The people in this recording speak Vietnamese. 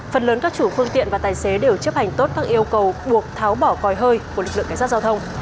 phần lớn các chủ phương tiện và tài xế đều chấp hành tốt các yêu cầu buộc tháo bỏ còi hơi của lực lượng cảnh sát giao thông